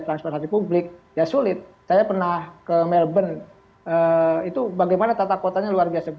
transportasi publik ya sulit saya pernah ke melbourne itu bagaimana tata kotanya luar biasa